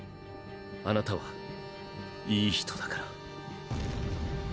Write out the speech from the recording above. あなたは良い人だから。